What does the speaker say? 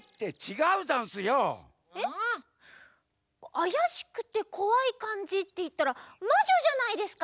あやしくてこわいかんじっていったらまじょじゃないですか。